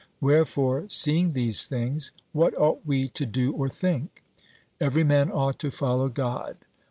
Wherefore, seeing these things, what ought we to do or think? 'Every man ought to follow God.'